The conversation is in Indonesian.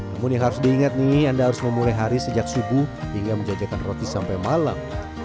namun yang harus diingat nih anda harus memulai hari sejak subuh hingga menjajakan roti sampai malam